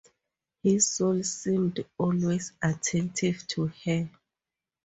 His soul seemed always attentive to her.